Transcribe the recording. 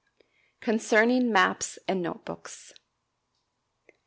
Concerning Maps and Note Books.